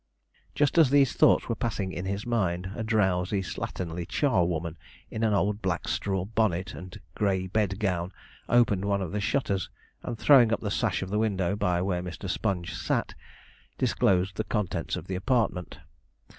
Just as these thoughts were passing in his mind, a drowsy, slatternly charwoman, in an old black straw bonnet and grey bed gown, opened one of the shutters, and throwing up the sash of the window by where Mr. Sponge sat, disclosed the contents of the apartment.